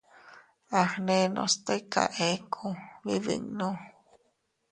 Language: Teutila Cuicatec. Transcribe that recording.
Agnenos tika eku, bibinnu.